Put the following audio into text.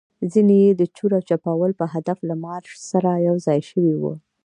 ځینې يې د چور او چپاول په هدف له مارش سره یوځای شوي وو.